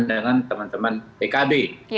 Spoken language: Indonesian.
dengan teman teman pkb